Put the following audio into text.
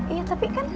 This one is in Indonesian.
iya tapi kan